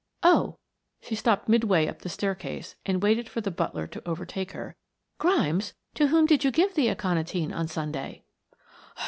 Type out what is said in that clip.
Oh," she stopped midway up the staircase and waited for the butler to overtake her, "Grimes, to whom did you give the aconitine on Sunday?"